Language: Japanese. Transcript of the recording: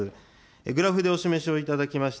グラフでお示しをいただきました